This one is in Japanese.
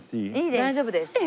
大丈夫です。